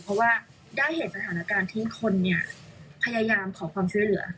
เพราะว่าได้เห็นสถานการณ์ที่คนเนี่ยพยายามขอความช่วยเหลือ